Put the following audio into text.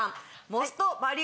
モストバリュ